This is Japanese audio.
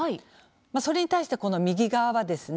それに対してこの右側はですね